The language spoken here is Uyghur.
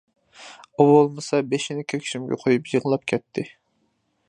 ئۇ بولسا بېشىنى كۆكسۈمگە قويۇپ يىغلاپ كەتتى.